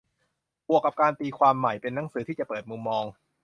บวกกับการตีความใหม่ - เป็นหนังสือที่จะเปิดมุมมอง